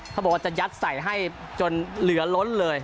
เขาบอกว่าจะยัดใส่ให้จนเหลือล้นเลย